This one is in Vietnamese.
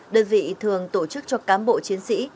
đơn vị thường tổ chức cho cám bộ chiến sĩ